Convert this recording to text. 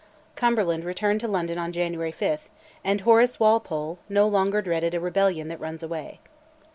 Cumberland returned to London on January 5, and Horace Walpole no longer dreaded "a rebellion that runs away."